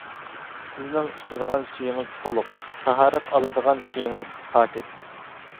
سىزنىڭ ئىچىدىغان سۈيىڭىز تولۇق، تاھارەت ئالىدىغان سۈيىڭىز پاكىز.